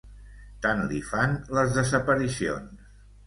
Tant li fan, les desaparicions.